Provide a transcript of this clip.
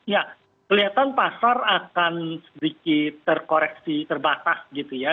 ya kelihatan pasar akan sedikit terkoreksi terbatas gitu ya